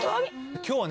今日はね